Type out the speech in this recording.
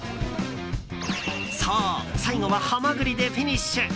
そう、最後はハマグリでフィニッシュ。